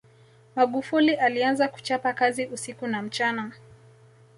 magufuli alianza kuchapa kazi usiku na mchana